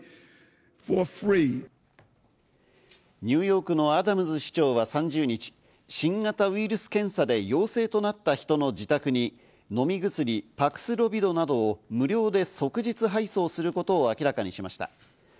ニューヨークのアダムズ市長は３０日、新型ウイルス検査で陽性となった人の自宅に飲み薬・パクスロビドなどを無料で即日配送することを明らかにしました。